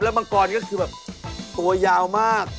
มังกรก็คือแบบตัวยาวมาก